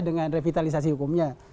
dengan revitalisasi hukumnya